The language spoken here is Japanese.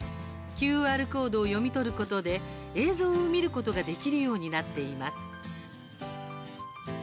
ＱＲコードを読み取ることで映像を見ることができるようになっています。